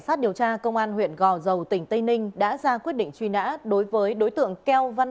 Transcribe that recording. sát điều tra công an huyện gò dầu tỉnh tây ninh đã ra quyết định truy nã đối với đối tượng keo văn